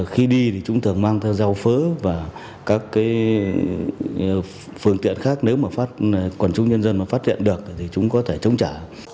khi đi thì chúng thường mang theo dao phớ và các phương tiện khác nếu mà quản trung nhân dân phát triển được thì chúng có thể trông trả